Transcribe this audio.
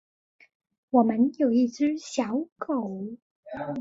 我们有一只小狗